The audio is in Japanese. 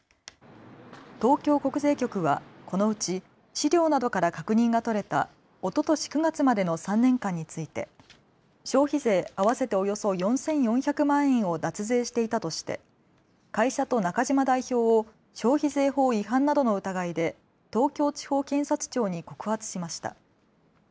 東京国税局はこのうち資料などから確認が取れたおととし９月までの３年間について消費税、合わせておよそ４４００万円を脱税していたとして会社と中嶋代表を消費税法違反などの疑いで東京地方検察庁に告発しました。